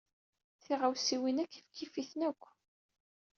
Tiɣawsiwin-a kifkif-iten akk.